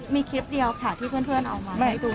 มีคลิปเดียวค่ะที่เพื่อนเอามาให้ดู